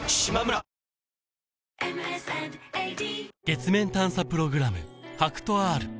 月面探査プログラム